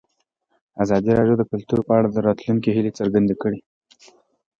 ازادي راډیو د کلتور په اړه د راتلونکي هیلې څرګندې کړې.